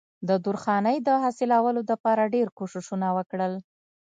د درخانۍ د حاصلولو د پاره ډېر کوششونه وکړل